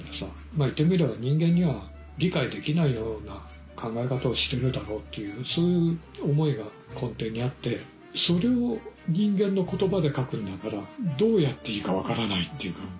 まあ言ってみれば人間には理解できないような考え方をしてるだろうっていうそういう思いが根底にあってそれを人間の言葉で書くんだからどうやっていいか分からないっていうか